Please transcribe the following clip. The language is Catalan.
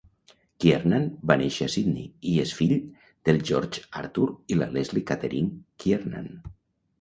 Kiernan va néixer a Sidney i és fill del George Arthur i la Leslie Katherine Kiernan.